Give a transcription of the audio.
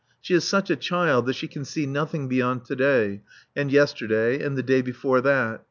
She is such a child that she can see nothing beyond to day, and yesterday and the day before that.